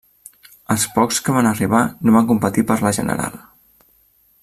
Els pocs que van arribar no van competir per la general.